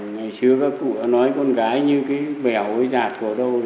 ngày xưa các cụ nói con gái như cái bèo với giạc của đâu